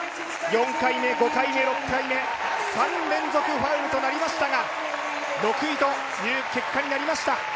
４回目、５回目、３連続ファウルとなりましたが６位という結果になりました。